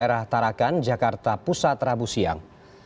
daerah tarakan jakarta pusat rabu siang